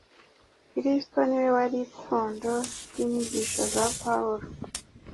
Kristo ni we wari ipfundo ry’inyigisho za Pawulo.